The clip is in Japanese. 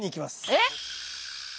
えっ！